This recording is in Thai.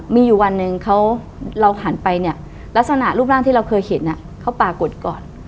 มีอยู่วันหนึ่งเขาเราหันไปเนี่ยลักษณะรูปร่างที่เราเคยเห็นเขาปรากฏก่อน